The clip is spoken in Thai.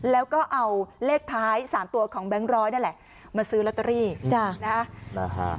แล้วก็เอาเลขท้ายสามตัวของแบงค์ร้อยนั่นแหละมาซื้อลอตเตอรี่จ้ะนะฮะ